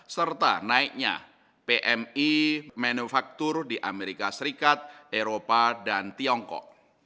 serta naiknya pmi manufaktur di amerika serikat eropa dan tiongkok